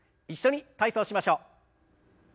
一緒に体操しましょう。